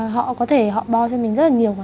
họ có thể họ bo cho mình rất là nhiều